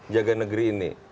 jaga negeri ini